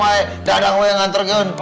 woi dadang woi nganter gun